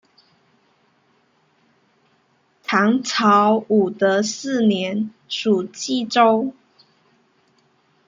唐朝武德四年属济州。